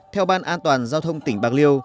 theo ban an toàn giao thông tỉnh bạc liêu